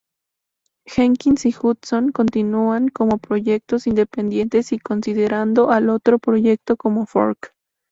Jenkins y Hudson continúan como proyectos independientes y considerando al otro proyecto como fork.